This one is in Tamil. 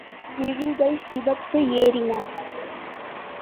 விழிகள் சிவப்பு ஏறின.